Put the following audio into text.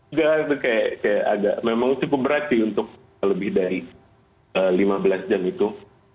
enggak itu kayak agak memang cukup berarti untuk lebih dari lima belas jam itu